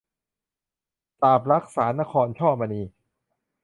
สาปรัก สานนคร - ช่อมณี